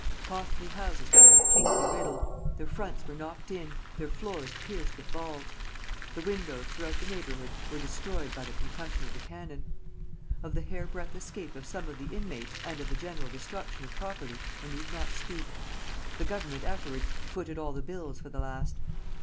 Costly houses were completely riddled, their fronts were knocked in, their floors pierced with balls. The windows throughout the neighborhood were destroyed by the concussion of the cannon. Of the hairbreadth escape of some of the inmates, and of the general destruction of property, I need not speak. The Government afterwards footed all the bills for the last.